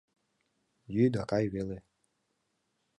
Йӱ да кай веле.